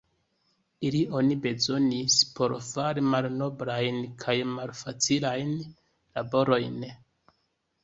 Ilin oni bezonis por fari malnoblajn kaj malfacilajn laborojn.